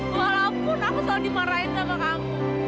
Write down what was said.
walaupun aku selalu dimarahin sama kamu